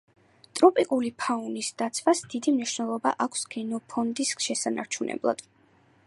ტროპიკული ფაუნის დაცვას დიდი მნიშვნელობა აქვს გენოფონდის შესანარჩუნებლად.